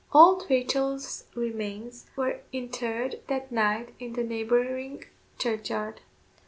Old Rachel's remains were interred that night in the neighbouring churchyard.